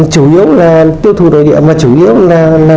chủ yếu là tiêu thụ đối địa mà chủ yếu là hàng gia vị